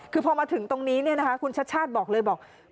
คือพอมาถึงตรงนี้คุณชัดบอกเลย